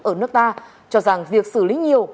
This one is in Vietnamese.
ở nước ta cho rằng việc xử lý nhiều